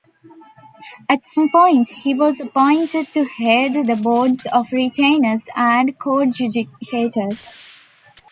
At some point, he was appointed to head the boards of retainers and coadjudicators.